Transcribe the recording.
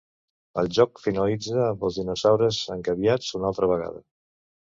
El joc finalitza amb els dinosaures engabiats una altra vegada.